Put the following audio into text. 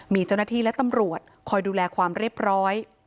มีเจ้าหน้าที่และตำรวจคอยดูแลความเรียบร้อย